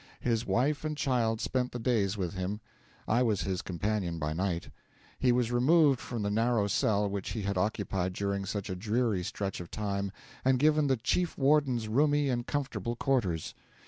His wife and child spent the days with him; I was his companion by night. He was removed from the narrow cell which he had occupied during such a dreary stretch of time, and given the chief warden's roomy and comfortable quarters.